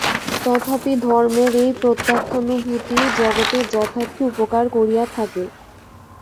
তথাপি ধর্মের এই প্রত্যক্ষানুভূতিই জগতের যথার্থ উপকার করিয়া থাকে।